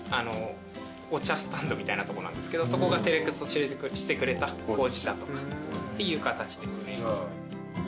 お茶スタンドみたいなとこなんですけどそこがセレクトしてくれたほうじ茶とかっていう形ですね。